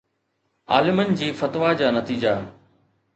عالمن جي فتويٰ جا نتيجا